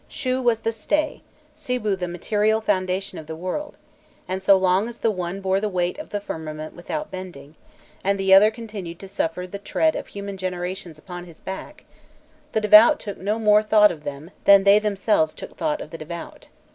Shû was the stay, Sibû the material foundation of the world; and so long as the one bore the weight of the firmament without bending, and the other continued to suffer the tread of human generations upon his back, the devout took no more thought of them than they themselves took thought of the devout.